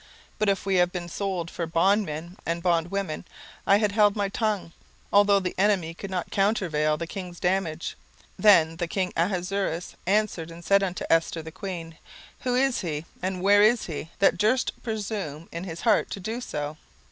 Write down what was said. But if we had been sold for bondmen and bondwomen, I had held my tongue, although the enemy could not countervail the king's damage. 17:007:005 Then the king Ahasuerus answered and said unto Esther the queen, Who is he, and where is he, that durst presume in his heart to do so?